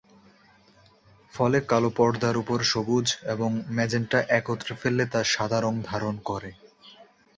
ফলে কালো পর্দার ওপর সবুজ এবং ম্যাজেন্টা একত্রে ফেললে তা সাদা রং ধারণ করে।